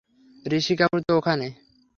ঋষি কাপুর তো ওখানে।